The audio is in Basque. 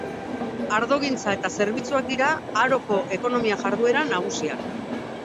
Ardogintza eta zerbitzuak dira Haroko ekonomia jarduera nagusiak.